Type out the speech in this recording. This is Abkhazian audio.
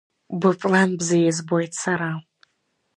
Быплан бзиа избоит сара.